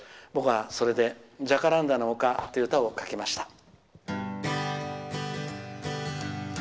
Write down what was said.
僕はそれで「ジャカランダの丘」という歌を書きました。